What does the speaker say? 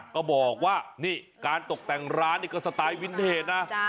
ก็บอกว่านี่การตกแต่งร้านนี่ก็สไตล์วินเทจนะ